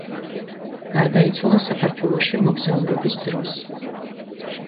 გარდაიცვალა საქართველოში მოგზაურობის დროს.